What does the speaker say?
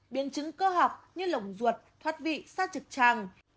biên chứng cơ học như lồng ruột thoát vị xa trực tràng